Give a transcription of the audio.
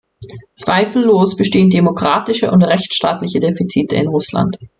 Zweifellos bestehen demokratische und rechtsstaatliche Defizite in Russland.